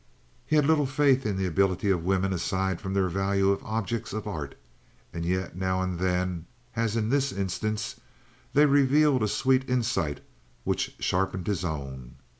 He had little faith in the ability of women aside from their value as objects of art; and yet now and then, as in this instance, they revealed a sweet insight which sharpened his own.